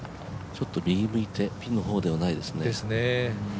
ちょっと右向いて、ピンの方ではないですね。